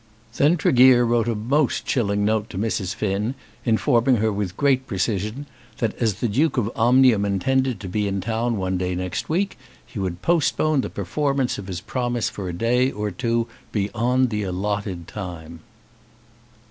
Then Tregear wrote a most chilling note to Mrs. Finn, informing her with great precision, that, as the Duke of Omnium intended to be in town one day next week, he would postpone the performance of his promise for a day or two beyond the allotted time.